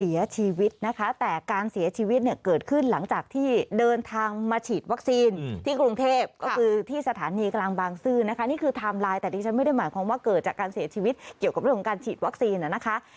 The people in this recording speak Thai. เสียชีวิตนะคะแต่การเสียชีวิตเนี่ยเกิดขึ้นหลังจากที่เดินทางมาฉีดวัคซีนที่กรุงเทพก็คือที่สถานีกลางบางซื่อนะคะนี่คือไทม์ไลน์แต่ดิฉันไม่ได้หมายความว่าเกิดจากการเสียชีวิตเกี่ยวกับเรื่องของการฉีดวัคซีนนะคะ